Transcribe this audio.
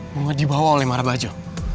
mau dibawa oleh marabajo